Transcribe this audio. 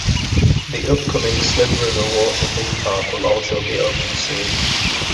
The upcoming Slim River Water Theme Park will also be opened soon.